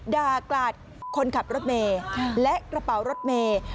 ด่ากลาดคนขับรถเมฆและกระเป๋ารถเมฆ